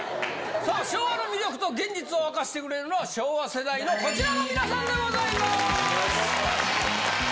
さあ、昭和の魅力と現実を明かしてくれるのは、昭和世代のこちらの皆さお願いします。